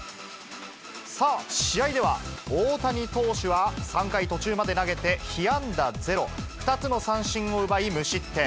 さあ、試合では大谷投手は３回途中まで投げて、被安打ゼロ、２つの三振を奪い無失点。